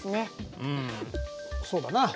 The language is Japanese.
うんそうだな。